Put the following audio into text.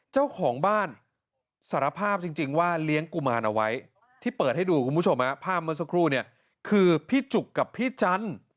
เจ้าของบ้านสารภาพจริงว่าเลี้ยงกุมารเอาไว้ที่เปิดให้ดูคุณผู้ชมภาพเมื่อสักครู่เนี่ยคือพี่จุกกับพี่จันทร์